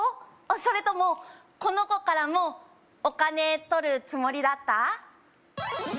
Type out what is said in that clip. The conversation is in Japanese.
それともこの子からもお金取るつもりだった？